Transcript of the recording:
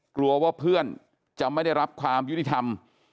กลัวว่าเพื่อนจะไม่ได้รับความยุติธรรม